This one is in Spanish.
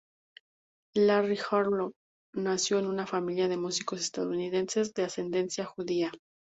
Larry Harlow nació en una familia de músicos estadounidenses de ascendencia judía.